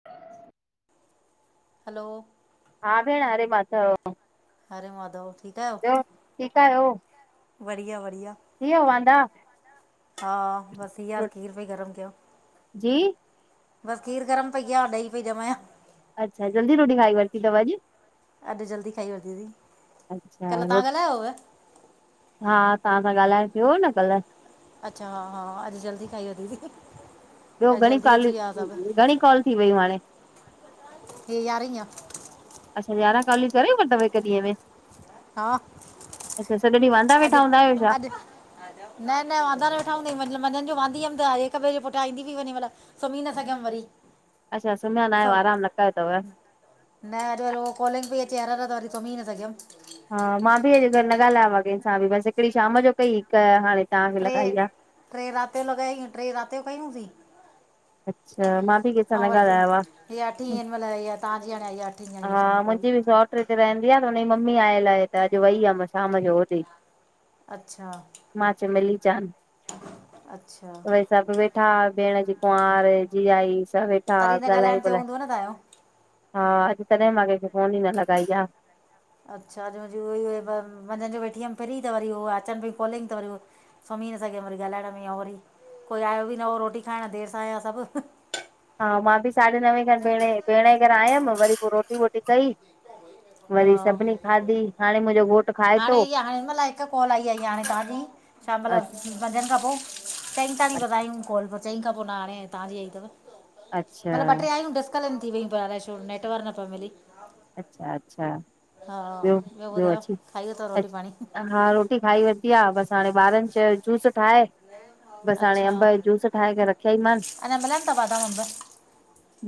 [inaudible] हलो हा भेण, हरे माधव हरे माधव ठीकु आहियो? ब्यो ठीकु आहियो? बढ़िया बढ़िया थी विया वांदा? हा, बस हिंयर खीर पई गरम कया जी बस खीर गरम पई कया ॾही पई जमाया अच्छा जल्दी रोटी खाई वरती तव अॼु अॼु जल्दी खाई वरतिसी। अच्छा हा तहां सां ॻाल्हाइणु थियो हो न कल्ह अच्छा हा हा अॼु जल्दी खाई वतीसी ॿियो, घणी कॉ घणी कॉल थी वयूं हाणे? हे यारहें आ अच्छा यारहां कालियूं करे वरतव हिक ॾींंह में? हा अचछा, सॼो ॾींहुं वांदा वेठा अॼु हूंदा आहियो छा? अॼु न न वांदा न वेठा हूंदायूं मझंद जो वांदी हुअमि त हिक ॿिए जे पुठां ईंदी बि वञी मतलब सुम्ही न सघियमि वरी। अच्छा सुम्हिया न आहियो आरामु सभु न कयो तव न अॼु वरी उहो कोलिंग पई अचे हर हर त वरी सुुमी न सघियमि। हा मां बि अॼु न ॻाल्हायो आ कंहिंसां बि बसि हिकिड़ी शाम जो कई हिक हाणे तव्हांखे टे लॻाई आहे टे राति जो लॻाई टे राति जो कयूंसीं अच्छा मां बि कंहिंसां न और ॻाल्हायो आहे हे अठी हिनमल तहाँजी आई अठी ई आई तहाँजी कोल इते रहंदी आ त हुनजी मम्मी आयल आ त अॼु वई हुयमि शाम जो होॾे अच्छा मां चयो मिली चान अच्छा सभु वेठा हा भेण जी कुंवार जीजायी सभु वेठा तॾहिं न ॻाल्हायूं ॻाल्हाइण थियो ॿोलायूं हूंदव न तव्हांजो हा अॼु तॾहिं मां कंहिंखे फ़ोन ई न लॻाई आ। अच्छा मुंहिंजी उ मंझंद जो वेठी हुअमि फ्री त वरी उ अचनि पई कॉलिंग त वरी सुम्ही न सघियम वरी ॻाल्हाइण में ओ वरी कोई आयो बि न हो रोटी खाइण देरि सां आया सभु हा मां बि साढे नवें खनि भेण भेण जे घरा आयमि वरी पो रोटी वोटी कई हा वरी सभिनी खाधी हाणे मुंहिंजो घोट हाणे इअ हाणे हिन महिल हिकु कॉल आई आई हाणे तव्हांजी शामल अच्छा मंझंदि खां पो चई ताई लॻायूं कॉल चई खां पो न हाणे जे तहाँजी आई तव अच्छा मतलब ॿ टे आयूं लनि थी वेई प पर छो नेटवर्क न पियो मिली [unintelligible] अच्छा अच्छा हा ॿियो ॿुधायो, खाई वतव रोटी पाणी? हा रोटी खाई वरिती आ बसि हाणे ॿारनि चयो जूस ठाह बस हाणे अच्छा अंब जो जूस ठाहे करे रखेया ई मान। अञा मिलनि था बादाम अंब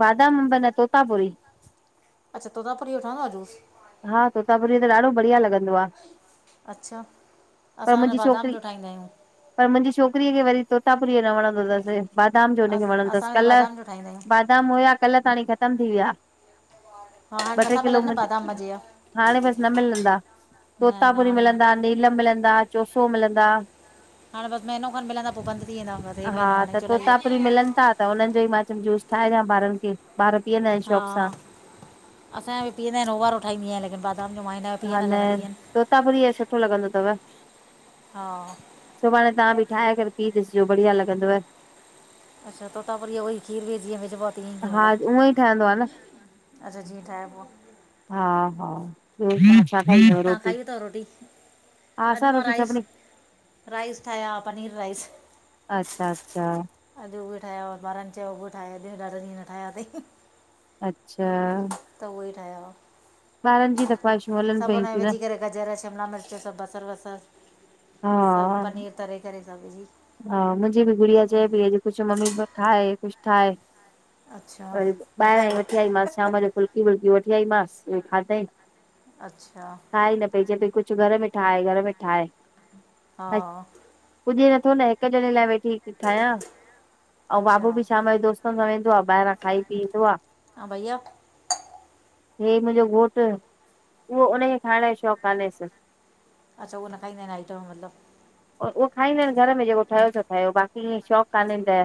बादाम अंब न तोतापुरी अच्छा तोतापुरी जो ठवंदो आ जूस? हा तोता पुरीअ त ॾाढो बढ़िया लॻंदो आ। अच्छा असां हुन मुंहिंजी छोकिरी बादाम जो ठाहींदा आहियूं। पर मुंहिंजी छोकिरीअ खे वरी तोतापुरीअ जो न वणंदो अथस। बादाम जो अस हुनखे वणंदो अथस असां त कल्ह बादाम जो ठाहींदा आहियूं बदाम हुया कल्ह ताणी खत्म थी विया। हा हाणे ॿ टे नथा मिलनि न किलोमी बादाम मज़े जा हाणे बस न मिलंदा। न न तोतापुरी हाणे न मिलंदा, नीलम मिलंदा, चोसो मिलंदा। हाणे बस महीनो खनि मिलंदा पोइ बंद थी वेंदा हे महीनो हाणे जोलाई। मिलन था त हुननि जो ई मां चयमि जूस ठाहे ॾियां ॿारनि खे ॿार पीअंदा आहिन शौक़ सां। असां बि पीअंद आहि आहिन उ वारो ठाहींदीय लेकिन [unintelligible] हा न तोतापुरी जो सुठो लॻंदो अथव। हा सुभाणे तां बि ठाहे करे पी ॾिसजो बढ़िया लॻंदव। अच्छा तोतापुरी उो ई खीर -वीर विझ बोआ ती ईईी हा मतिलब उअं ई ठहंदो आहे न अच्छा जीअ ठायबो आ। हा हा हूं। छा ठाईंथव तव्हां रोटी? खाई अथव रोटी हा अॼु आसां मां रोटी राइस सभिनी राइस ठाया पनीर राइस। अच्छा -अच्छा। अॼु उए ठाहिया हुया ॿारनि चयो उए ठाहे अॼ ॾा ॾींं खा ठहिया कान अथई। अच्छा त उहो ई ठहिया। ॿारनि जी त ख़्वाहिशूं हलनि पयूं थी न। विझी करे गजर, शिमला मिर्च सभ बसर -बसर हा सभ पनीर तरे करे सभ। हा मुंहिंजी बि गुड़िया चए पई अॼु कुझु मम्मी ठाहे कुझु ठाहे। अच्छा वरी न ॿाहिरां ई वठी आईमास ठाहिबो शाम जो फुल्की वुल्की वठी आईमास उहे खाधई। अच्छा खाहे न पई चए पई कुझु घर में ठाहे घर में ठाहे। हा पुॼ नथो न हिक ॼणे लाइ वेठी ठाहियां। ऐं अच्छा बाबू बि शाम जो दोस्तनि सां वेंदो आ ॿाहिरां खाई पी ईंदो आ। हा भईया। हे मुंहिंजो घोटु उहो उनखे खाइण जो शौंक़ कोन्हे स। अच्छा उह न खाईंदा आहिन आइटम मतलब। उहो खाईंदा आहिनि घर में जेको ठहियो सो ठहियो बाक़ी ईअं शौंक़ कान्हे त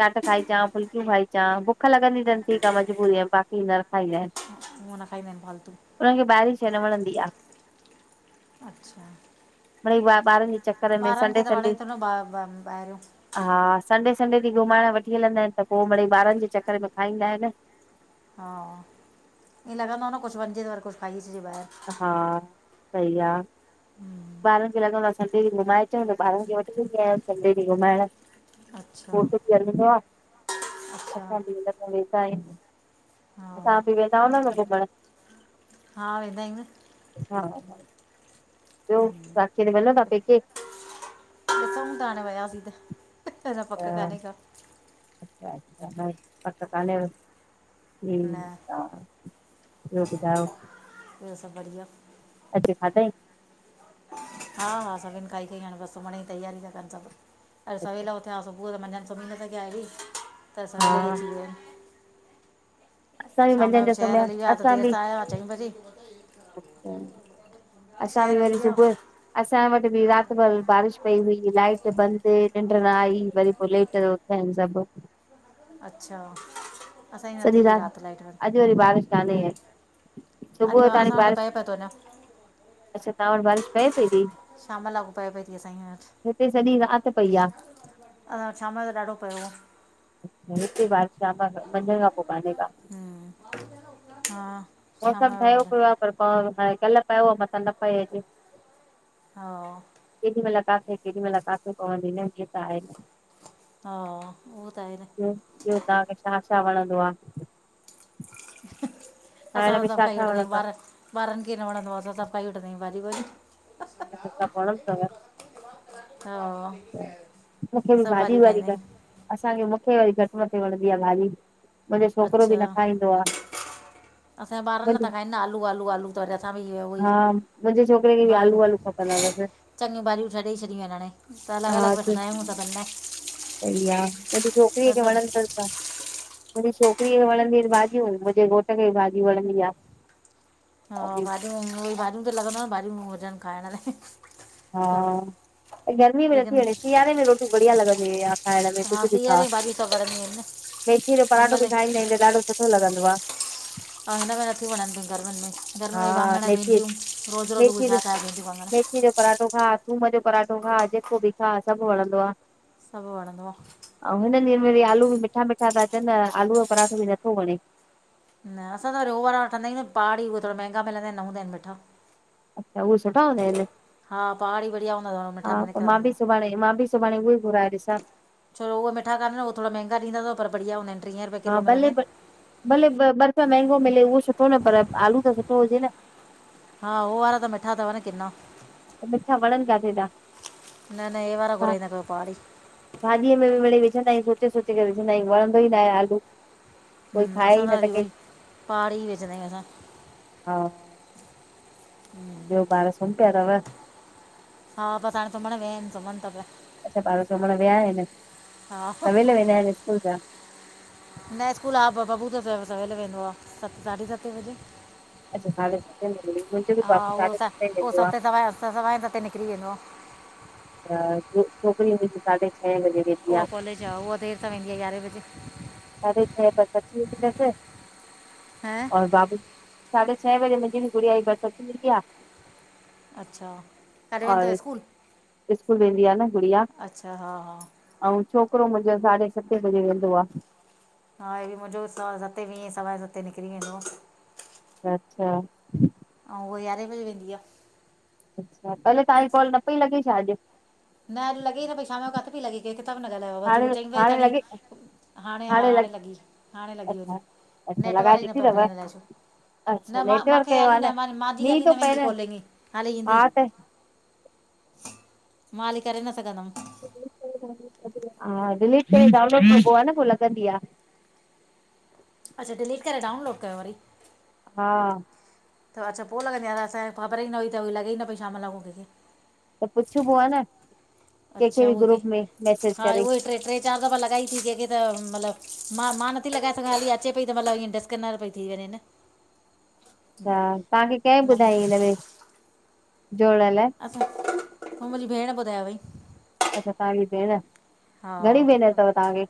चाट खाईचां फुल्कियूं खाई अचां बुख लॻंदी अथनि ठीक आ मजबूरी बाक़ी न खाईंदा आहिन। हुअ न खाईंदा आहनि फालतू। हुन खे ॿारी शइ न वणंदी आ। अच्छा मिॾई ॿारनि जे चक्कर ॿारनि खे त वणे थो न ॿाहिरियों। हा संडे -संडे ॾींह घुमाइण वठी हलंदा आहिन त पोइ वरी ॿारनि जे चक्कर में खाईंदा आहिन। हा ईअं लॻंदो आहे न कुझु वञिजे त वरी कुझु खाई अचिजे ॿाहिरि। हा सही आ ॿारनि खे लॻंदो आ। संडे ॾींह घुमाए अच त ॿारनि खे वठी वेंदी आहियां संडे ॾींह घुमाइण अच्छा पोइ घर वञिणों आ, अच्छा असां बि हिन सां वेठा आहियूं। असां हा बि वेंदा आहियूं न गॾु घुमण। हा, वेंदा आहियूं न। हा हा, ॿियो राखी ते मिलंदौ पेके। [unintelligible] पक काने का। अच्छा अच्छा, पक कन्हेव, न ठीक आ। ॿियो ॿुधायो? ॿियो सब बढ़िया। अची खादईं? हा हा, सभिनि खाई खईं आ, बसि सुम्हण जी तैयारी ता कनि सभु, अञु सवेल उथ् छा सुबुह त मझंदि [unintelligible] त असां हा इही अची विया। असां बि शामा मंझंदि जो शहर सुम्हिया हली वया, त असां बि देर आया चई बजे। अच्छा, असां बि शहर हली वरी विया सुबुह, असां वटि बि राति भर बारिश पई हुई लाइट बंदि निंड न आई, वरी पोइ लेट उथिया आहिनि सभु। अच्छा, असांजी न सॼी थी राति रात लाइट बंद। अॼु वरी बारिश कान्हे अॼु‌ सुबुह ताणी असां वटि त बारिश पए पियो थो वञां। अच्छा, तव्हां वटि बारिश पए पई ती, शाम लाॻू पए पई थी असांजे वटि हिते सॼी रात पई आ। अला शाम जो त ॾाढो पयो आ। हिते बारिश शाम, मंझंद खां पोइ कान्हें का हम्म हा शाम मौसम जो ठयो वॾा पियो आ पर पवणु पए, कल पियो हो, मतां न पए अॼु। हा। केॾी महिल किथे केॾी महिल किथे पवंदी न जीअ त आहे न। हा, उहो त आहे न। ॿियो, ॿियो तांखे छा छा वणंदो आ। असां खाइण में सबु छा खाई छा वठंदा आयूं, वणंदो ॿार, ॿारनि खे ई न वणंदो आ असां सब खाई उठंदीं आहियूं बाॼियूं ॿाॼियूं। अच्छा, सबु वणंदो तव। हा, मूंखे बि सबु भाॼी भाॼियूं वारी ठाईंदा घट आहियूं। असांखे मुखे वरी घटि वदि वणंदी आ भाॼी। मुंहिंजो छोकिरो बि न अच्छा खाईंदो आ, मुंहिंजो हिन, आलू आलू आलू। त वरी असां बि उहो ई हा, मुंहिंजे छोकिरे खे बि आलू आलू खपंदा तसि। चङी भाॼियूं तरे ॾेई छॾियूं आहिनि हाणे, अलगि हा अलगि चु विझंदा आहियूं दॿनि में। सही आ, मुंहिंजी छोकिरीअ खे वणंदसि कान्। मुंहिंजी छोकिरीअ खे वणंदियूं इन भाॼियूं, मुंहिंजे घोट खे भाॼी वणंदी आ। हा भाॼियूं, भाॼियूं त लॻंदव, भाॼियूं हुजनि खाइण लाइ। हा। सभु गर्मीअ में नथी लेकिन वणे, सियारे में रोटी बढ़िया लॻंदी आ खाइण में, कुछु भी सीयारे जूं भॼियूं त वणंदियूं इन न। मेथीअ जो हिन पराठो महिल बि खाईंदा आहियूं त ॾाढो सुठो लॻंदो आ। ऐं हिन खे नथियूं वणंनि गर्मियुनि में, गर्मियुनि में हा वांङण मेथी भिडियूं रोज़ु रोज़ु उहे मेथी जो छा ठाहिजनि वांङण। मेथी जो पराठो खाउ थूम जो पराठो खाउ जेको बि खाउ सभु वणंदो आ। सभु वणंदो आ। अऊं हिन ॾींहनि में वरी आलू बि मिठा मिठा ता अचनि न, आलूअ जो पराठो बि नथो वणे। न असां त रो वारा वठंदा आहियूं न पहाड़ी उहे थोरा महांगा मिलंदा आहिनि न हूंदा आहिनि मिठा। अछा उए सुठा हूंदा आइन हा पहाड़ी बढ़िया हूंदा अथव हा मिठा न त मां निकिरंदा बि अथव सुभाणे मां बि सुभाणे उए ई घुराए ॾिसा। छो उए मिठा कानन हो थोड़ा मेंगा ॾींदा तव पर बढ़िया हूंदा आइन। हा भले भले ॿ रुपया मेहंगो मिले उओ सुठो न पर आलू त सुठो हुजे न। हा हो वारा त मिठा तव न किनां। मिठा वणनि किथे था न न हे वारा घुराईंदा कयो पहाड़ी। भाॼीअ में मिड़ई विझंदा आयूं सोचे सोचे करे विझंदा आयूं वणंदो ई न आए आलू। हम कोई खाए असां ई त न अरी कंहिं उएई पहाड़ी ई विझंदा आयूं असां। हा हूं ॿियो ॿार सुम पिया तव। हा बस हाणे सुमण विया अन सुमन ता पिया। अच्छा ॿार सुमण विया आइन हा सवेल वेंदा आइन स्कूल छा? न स्कूल हा ब बबू त सवेल वेंदो आ सत साढे सत बजे। अच्छा साढे सते में मुंहिंजो बि हा बाबू उ साढे स सते उओ वेंदो सत सवा‌ सते निकरी वेंदो आ। हा छो छोकरी वेंदी तई साढे छह बजे वेंदी उहा आहे कॉलज आ उआ देर सां वेंदी आ यारहे बजे। साडे छै बस अची वेंदी तस। हा और बाबू साढे छह बजेे मुंजी बि गुड़िया जी बस अची वेंदी आ। अच्छा करे वेंदव और स्कूल। स्कूल वेंंदी आ न गुड़िया। अच्छा हा हा अऊं छोकरो मुंजो साढे सतें बजे वेंदो आ। हा हे बि मुंजो सवा सते वीह सवा सते निकरी वेंदो आ। अच्छा अऊ़ उअ यारहें बजे वेंदी आ। अच्छा पहले तांजी कॉल न पई लॻे छा अॼ? न लॻे न पई शाम जो काथे पी लॻे। के किथां बि न ॻाल्हायो हाणे आ चईं बजे हाणे ताणी लॻे हाणे हा हाणे लॻी हाणे लॻी वञी। अच्छा अच्छा लॻाए नेटवर्क ई न ॾिठी पिया अथव मिलन अलाए छो, अच्छा न मां नेटवर्क मांखे जो हाली आहे न म मांजी मींहुं हाली थो न पए वेंदी कोलिंग खाली हा ईंदी। त मां हाली करे न सघंदम। हा डिलीट करे डाउनलोड कॿो आ न पो लॻंदी आ। अच्छा डिलीट करे डाउनलोड कयूं वरी। हा त अच्छा पो लॻंदी आ अलाए असांखे ख़बर ई न हुई त लॻे ई न पई शाम लाखूं केंखे। त पुछबो आ न। कंहिंखे अच्छा बि उखे ग्रुप में मैसेज हा करे उओ ई ट्रे ट्रे। चार दफ़ा लॻाई थी केंखे त मतलब मां मां नथी लॻाए सघां खाली अचे पई त मतलब इअं डिसकनर पी थी वञे न। अच्छा तांखे कें न बस ॿुधाई हिनमें जोड़ण लाइ। असां मुंजी भेण ॿुधायो हुयई। अच्छा तांजी भेण, हा घणी भेनर तव तांखे?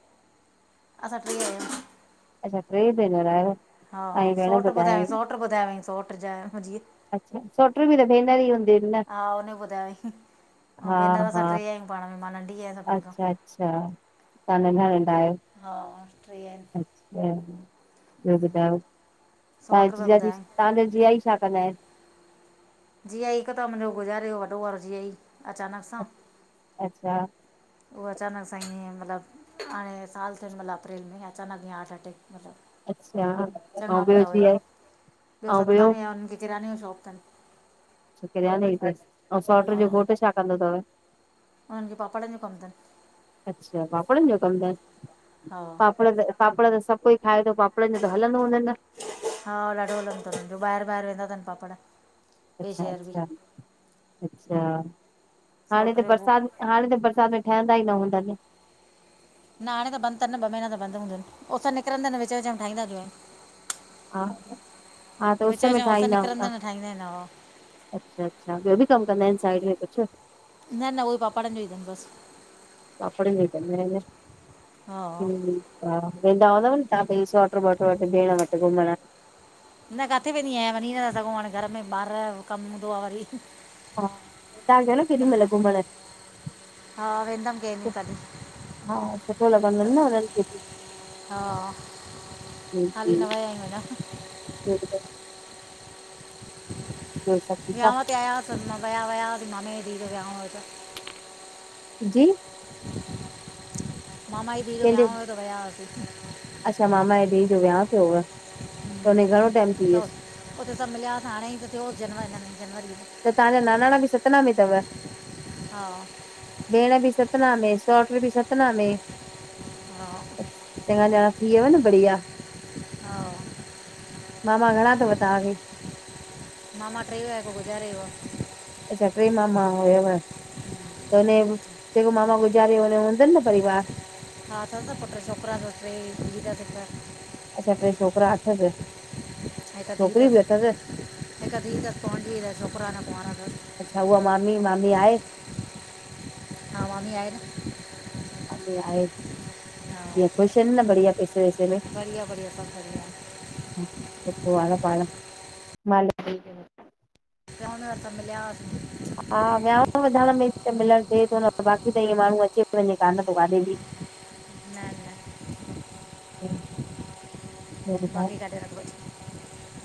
असां ट्रे आयूं। अच्छा ट्रे भेनर आयो हा सोट्र ॿुधाईं सोट्र ॿुधायो हुयई सोट्र जे मुंजीअ। अचछा सोटरू बि त भेनर ई हूंदयून न। हा हुन ॿुधायोईं ऐं हा भेनर असां हा टे आ आहियूं पाण में, मां नंढी आहियां सभिनि खां अच्छा अच्छा, तव्हां नंढा नंढा आहियो। हा ट्रे आन अछा, ॿियो ॿुधायो? सौट तहाँजो रुपया जीयाजी ॿुधायईं तव्हांजो जीयाजी छा कंदा आहिनि? जीयाजी हिकु त मुंहिंजो गुज़ारे वयो वॾो वारो जीयाजी अचानक सां अचछा उहो अचानक सां ईअं मतिलब हाणे साल थियन मतलब अ्परेल में अचानक ईय हार्ट अटेक अचछा चङा भला हुया, ॿियो सतना में उन्हनि खे किरयाने जो शॉप तन। अछा किरियाने जी तस, अऊ सोट्र जो घोटु छा कंदो थव? उन्हनि खे पापड़नि जो कमु तनि। अचछा पापड़नि जो कमु तन, हा पापड़ त पापड़ त सभु कोई खाए थो, पापड़नि जो त हलंदो हूंदुन? हा ॾाढो हलंदो तन ॿाहिरि ॿाहिरि वेंदा तन पापड़ ॿिए अच्छा शहर बि अच्छा अच्छा, हाणे सौट त जो उहो बरसाति हाणे त बरसाति में ठहंदा ई न हूंदा न न हाणे त बंदि तन ॿ महीना त बंदि हूंदनि उस निकंरदन त विच विच में ठहींदा जो आहिन। हा, हा त उस विच विच में ठाहींदा निकिरंदा हूंदा। आहिनि ठाहींदा आहिनि हा अच्छा अच्छा, ॿियो बि कमु कंदा आहिनि साइड में कुझु? न न उहोई पापडनि जो ई तन बस पापड़न जो ई तन हा हम हा वेंदा हूंदव न तव्हां पहिंजी सोट्र वोट्र वटि भेण वटि घुमण? न काथे वेंदी आहियां वञी नथा सघूं हाणे घर में ॿार कमु हूंदो आ वरी हा तहां ईंदा कयो न केॾी महिल घुमण। हा वेंदमि कंहिं ॾींहुं कॾहिं हा सुठो लॻंदुन न हुननि खे बि हा, जी जी हाली न वयायूं अना ॿियो ॿुधायो? ॿियो सभु ठीकु विहाव ते आयास वया वयास मामे जी धी जो विहाव हुयो त जी मामा धीउ जो कंहिंजे विहाव हुयो त वया हुआसीं। अच्छा मामा जे धीउ जो विहाांउ थियो हुव, त हम्म, हुन खे घणो टाइम थी त वियुसि? उते सब मिलयास हाणे ई त थियोस जनवरी नवी जनवरी में त तव्हांजा नानाणा बि सतना में थव? हा भेण बि सतना में सहुट बि सतना में हा चङा जणा थी वयव न बढ़िया हा मामा घणा तव तव्हांखे? मामा टे हुया हिक गुज़ारे वियो आ। अच्छा टे मामा हुयव। त हुन जेको मामा गुज़ारे हुन जो हूंदनि न परिवार? हा अथस न पुट छोकिरा तस टे धीउ तस हिक अच्छा टे छोकिरा अथसि, हिकु छोकिरी ऐं बि अथसि। हिकु धीउ तस पढंदी तस, छोकिरा अञां कुवांरा तस। अच्छा उहा मामी, मामी आहे। हा मामी आहे न अच्छा मम्मी आहे। हा [unintelligible] ख़ुश आहिनि न, बढ़िया पैसे वैसे में बढ़िया बढ़िया सभु बढ़िया आहे अच्छा, पोइ हाणे पाण मालिक जी चओ न त, मिलिया होसीं। हा विहांव वधण में त मिलणु थिए थो न, बाक़ी त ईअं माण्हू अचे वञे कान थो काॾे बाकी [inaudible] न न हं बाक़ी काथे रखो,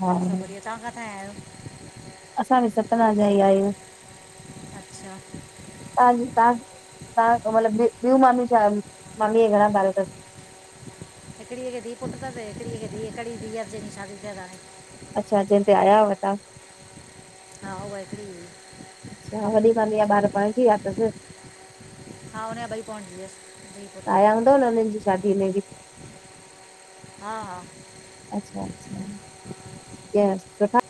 हा सभु बढ़िया, तव्हां काथां आया आहियो? असां बि सतना जा ई आहियूं। अच्छा तव्हांज तव्हां, तव्हां मतलब ॿियूं मामीअ छा मामीअ घणा ॿ ॿार तसि? हिकिड़ी खे धीउ पुट तस, हिकिड़ी खे [unintelligible] हिकड़ी धीअ जंहिंजी शादी थियल आहे। अच्छा, जंहिं ते आया हुआ तव्हां? हा, हूअ हिकड़ी हुई। अच्छा, वॾी मामीअ जा ॿार पणिजी विया तसि? हा हुन जा ॿई पणिजी वियसि, धीअ पुट। त उन्हनि जी शादीअ में बि हा हा अच्छा-अच्छा कीअं सुठा